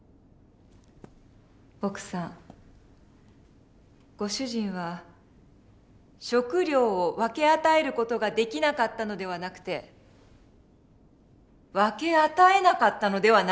奥さんご主人は食料を分け与える事ができなかったのではなくて分け与えなかったのではないですか？